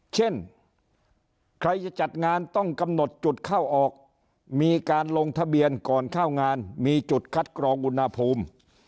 เช่นใครจะจัดงานต้องกำหนดจุดเข้าออกมีการลงทะเบียนก่อนเข้างานมีจุดคัดกรองอุณหภูมิ